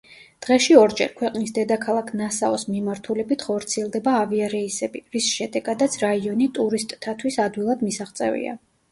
დღეში ორჯერ, ქვეყნის დედაქალაქ ნასაუს მიმართულებით ხორციელდება ავიარეისები, რის შედეგადაც რაიონი ტურისტთათვის ადვილად მისაღწევია.